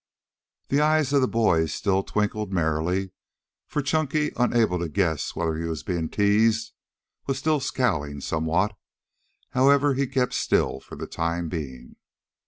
The eyes of the boys still twinkled merrily, for Chunky, unable to guess whether he were being teased, was still scowling somewhat. However, he kept still for the time being.